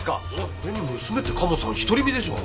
それに娘って鴨さん独り身でしょう。